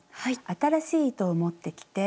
新しい糸を持ってきて。